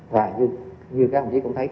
và như các đồng chí cũng thấy